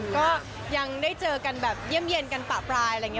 ก็ยังได้เจอกันแบบเยี่ยมเย็นกันปะปลายอะไรอย่างนี้